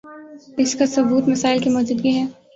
اسکا ثبوت مسائل کی موجودگی ہے